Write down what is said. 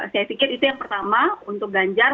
saya pikir itu yang pertama untuk ganjar